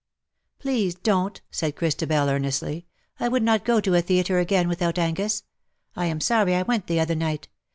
"Please, don't," said Christabel, earnestly; "1 would not go to a theatre again without Angus. I am Sony I went the other night.